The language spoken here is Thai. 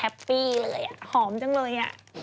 แฮปปี้เลยหอมจังเลย